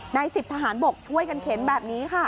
นายสิบทหารบกช่วยกันเข็นแบบนี้ค่ะ